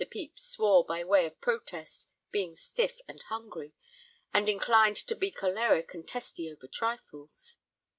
Pepys swore by way of protest, being stiff and hungry, and inclined to be choleric and testy over trifles.